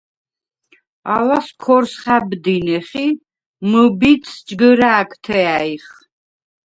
ალას ქორს ხა̈ბდინეხ ი მჷბიდს ჯგჷრა̄̈გთე ა̈ჲხ.